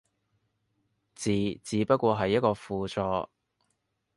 字只不過係一個輔助